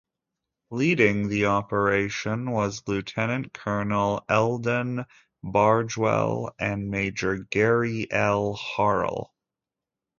Leading the operation was Lieutenant Colonel Eldon Bargewell and Major Gary L. Harrell.